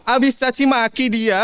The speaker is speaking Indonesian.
abis cacimaki dia